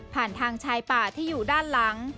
ผ่านทางชายป่าที่อยู่ด้านหลัง